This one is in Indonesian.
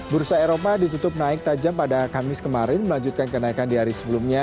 bursa eropa ditutup naik tajam pada kamis kemarin melanjutkan kenaikan di hari sebelumnya